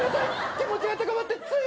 気持ちが高ぶってつい。